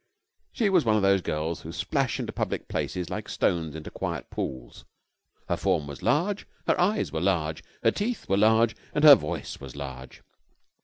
She was one of those girls who splash into public places like stones into quiet pools. Her form was large, her eyes were large, her teeth were large, and her voice was large.